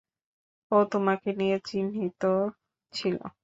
ও তোমাকে নিয়ে চিন্তিত ছিল।